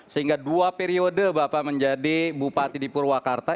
sehingga dua periode bapak menjadi bupati di purwakarta